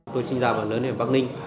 tôi xin giáo bằng